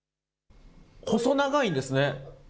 細長いんですね。